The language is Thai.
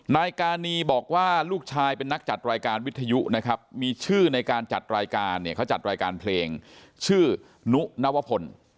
นายกานีบอกว่าลูกชายเป็นนักจัดรายการวิทยุนะครับมีชื่อในการจัดรายการเนี่ยเขาจัดรายการเพลงชื่อนุนวพล